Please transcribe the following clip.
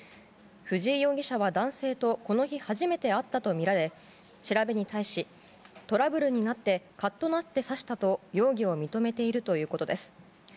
藤井容疑者は、男性とこの日初めて会ったとみられ調べに対し、トラブルになってカッとなって刺したと容疑を認めているということです。